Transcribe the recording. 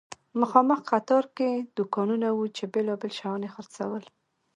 مخامخ قطار کې دوکانونه وو چې بیلابیل شیان یې خرڅول.